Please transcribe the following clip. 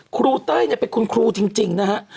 ครูเต้ยเป็นคุณครูจริงนะครับ